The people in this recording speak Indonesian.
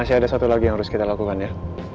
masih ada satu lagi yang harus kita lakukan ya